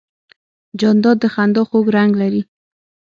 جانداد د خندا خوږ رنګ لري.